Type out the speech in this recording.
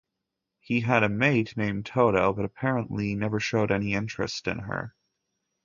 He had a "mate" named Toto, but apparently never showed any interest in her.